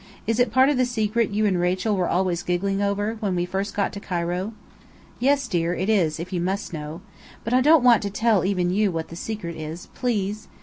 Is it part of the secret you and Rachel were always giggling over, when we first got to Cairo?" "Yes, dear, it is, if you must know. But I don't want to tell even you what the secret is, please!